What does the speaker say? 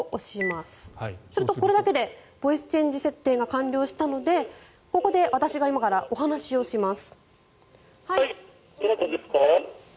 するとこれだけでボイスチェンジ設定が完了したのでここで私が今からお話をします。